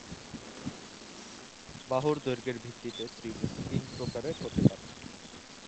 বাহুর দৈর্ঘ্যের ভিত্তিতে ত্রিভুজ তিন প্রকারের হতে পারে।